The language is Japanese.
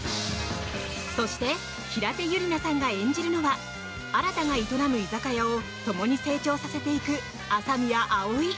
そして平手友梨奈さんが演じるのは新が営む居酒屋をともに成長させていく麻宮葵。